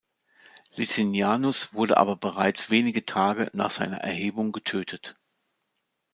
Licinianus wurde aber bereits wenige Tage nach seiner Erhebung getötet.